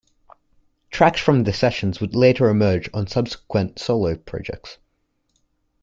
Tracks from the sessions would later emerge on subsequent solo projects.